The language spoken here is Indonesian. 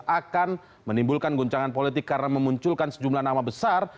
akan menimbulkan guncangan politik karena memunculkan sejumlah nama besar